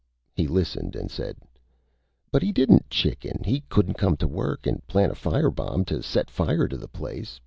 He listened and said: "But he didn't chicken! He couldn't come to work and plant a fire bomb to set fire to the place!...